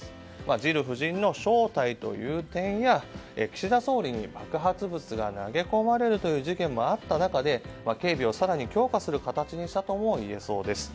ジル夫人の招待という点や岸田総理に爆発物が投げ込まれるという事件もあった中で警備を更に強化する形にしたともいえそうです。